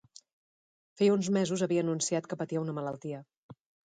Feia uns mesos havia anunciat que patia una malaltia.